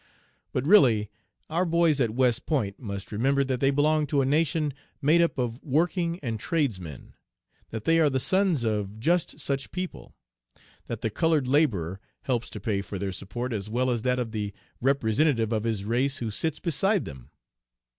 But really our boys at West Point must remember that they belong to a nation made up of working and trades men; that they are the sons of just such people; that the colored laborer helps to pay for their support as well as that of the representative of his race who sits beside them.